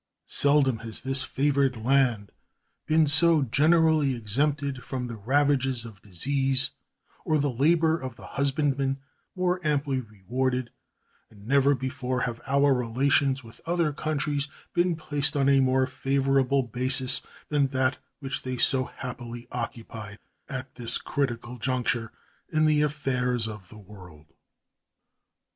Seldom has this favored land been so generally exempted from the ravages of disease or the labor of the husbandman more amply rewarded, and never before have our relations with other countries been placed on a more favorable basis than that which they so happily occupy at this critical conjuncture in the affairs of the world.